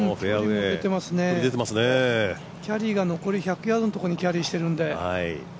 キャリーが残り１００ヤードのところにキャリーしているので。